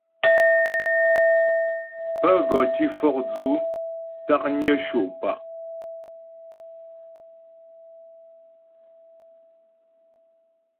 Pə́ gɔ tǐ fɔkdzʉ̌ taknyə sho' pǎ'.